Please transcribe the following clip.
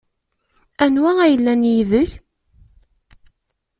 Anwa ay yellan yid-k?